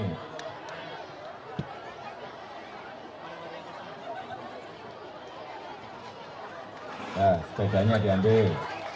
nah sepedanya diambil